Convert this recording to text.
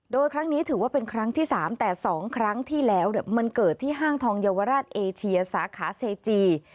โดยครั้งนี้ถือว่าเป็นครั้งที่๓แต่๒ครั้งที่แล้วมันเกิดที่ห้างทองเยาวราชเอเชียสาขาเซจี